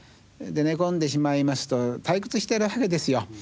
寝込んでしまいますと退屈してるわけですよ。